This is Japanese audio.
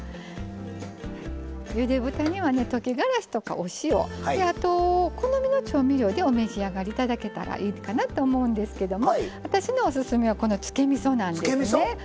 ゆで豚には溶きがらしとかお塩、お好みの調味料でお召し上がりいただけたらいいかと思うんですけど私のオススメはつけみそなんですね。